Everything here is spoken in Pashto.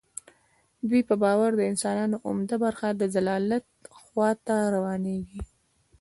دوی په باور د انسانانو عمده برخه د ضلالت خوا ته روانیږي.